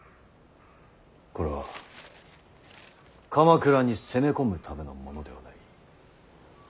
これは鎌倉に攻め込むためのものではない。